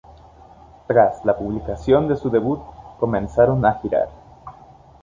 Tras la publicación de su debut comenzaron a girar.